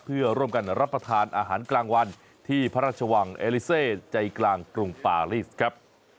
เพื่อร่วมกันรับประทานอาหารกลางวันที่พระราชวังเอลิเซใจกลางกรุงปารีสครับ